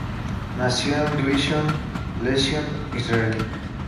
Nació en Rishon Lezion, Israel.